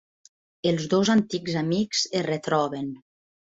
Els dos antics amics es retroben.